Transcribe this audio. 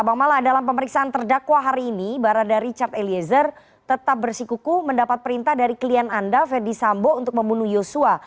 bang mala dalam pemeriksaan terdakwa hari ini barada richard eliezer tetap bersikuku mendapat perintah dari klien anda ferdi sambo untuk membunuh yosua